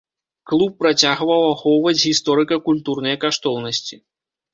Клуб працягваў ахоўваць гісторыка-культурныя каштоўнасці.